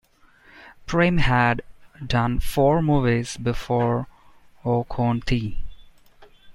Prem had done four movies before Woh Kaun Thi?